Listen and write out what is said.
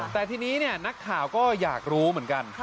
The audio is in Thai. แต่ทีนี้นักข่าวก็อยากรู้เหมือนกัน